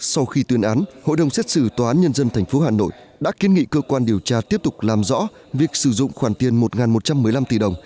sau khi tuyên án hội đồng xét xử tòa án nhân dân thành phố hà nội đã kiến nghị cơ quan điều tra tiếp tục làm rõ việc sử dụng khoản tiền này